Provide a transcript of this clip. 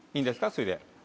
それで。